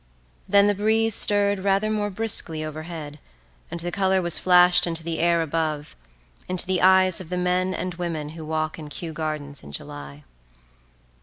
Then the breeze stirred rather more briskly overhead and the colour was flashed into the air above, into the eyes of the men and women who walk in Kew Gardens in July.